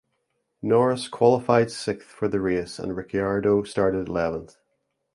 Norris qualified sixth for the race and Ricciardo started eleventh.